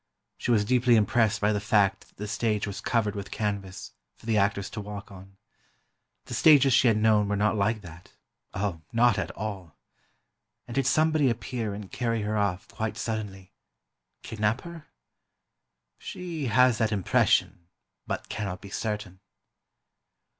She was deeply impressed by the fact that the stage was covered with canvas, for the actors to walk on. The stages she had known were not like that—oh, not at all. And did somebody appear and carry her off, quite suddenly—kidnap her? She has that impression, but cannot be certain.